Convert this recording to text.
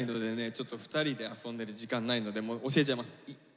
ちょっと２人で遊んでる時間ないのでもう教えちゃいます。